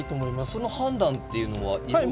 その判断っていうのは色ですか？